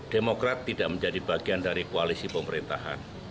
demokrat tidak menjadi bagian dari koalisi pemerintahan